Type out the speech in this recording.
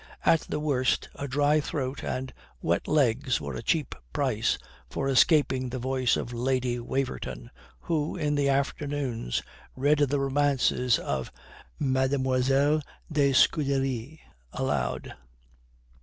At the worst a dry throat and wet legs were a cheap price for escaping the voice of Lady Waverton, who, in the afternoons, read the romances of Mlle. de Scudéry aloud.